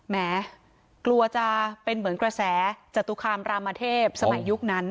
แม้กลัวจะเป็นเหมือนกระแสจตุคามรามเทพสมัยยุคนั้น